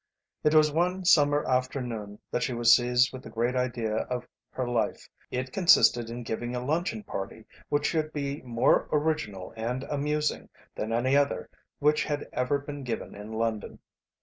It was one summer afternoon that she was seized with the great idea of her life. It consisted in giving a luncheon party which should be more original and amusing than any other which had ever been given in London.